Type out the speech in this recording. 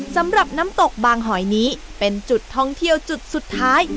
สำหรับน้ำตกบางหอยนี้เป็นจุดท่องเที่ยวจุดสุดท้าย